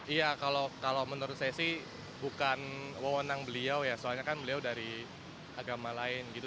iya kalau menurut saya sih bukan wawonang beliau ya soalnya kan beliau dari agama lain gitu